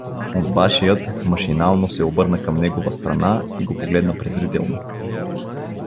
Онбашият машинално се обърна към негова страна и го погледна презрително.